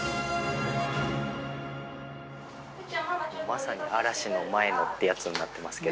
まさに嵐の前のってやつになってますけど。